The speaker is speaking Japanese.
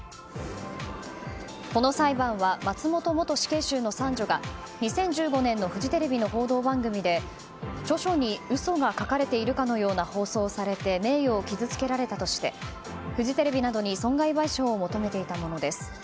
この裁判は松本元死刑囚の三女が２０１５年のフジテレビの報道番組で著書に嘘が書かれているかのような放送をされて名誉を傷つけられたとしてフジテレビなどに損害賠償を求めていたものです。